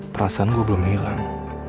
perasaan gue belum hilang